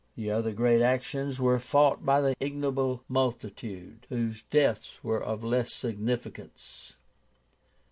The other great actions were fought by the ignoble multitude whose deaths were of less significance.